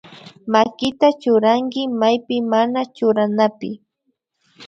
Makita churanki maypi mana churanapi